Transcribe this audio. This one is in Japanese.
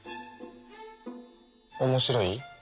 面白い？